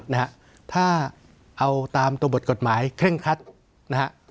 นะฮะถ้าเอาตามตัวบทกฎหมายเคร่งครัดนะฮะ